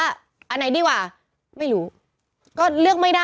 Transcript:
อ่าอ่าอ่าอ่าอ่า